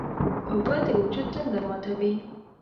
اوبه د وجود تنده ماتوي.